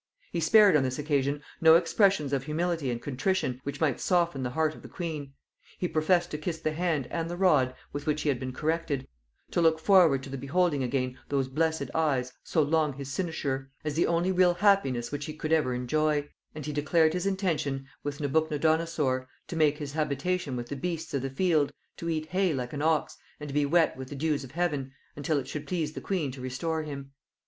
He spared on this occasion no expressions of humility and contrition which might soften the heart of the queen: He professed to kiss the hand and the rod with which he had been corrected; to look forward to the beholding again those blessed eyes, so long his Cynosure, as the only real happiness which he could ever enjoy; and he declared his intention with Nebuchodonosor, to make his habitation with the beasts of the field, to eat hay like an ox, and to be wet with the dews of heaven, until it should please the queen to restore him.